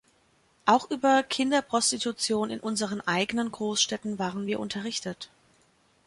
Auch über Kinderprostitution in unseren eigenen Großstädten waren wir unterrichtet.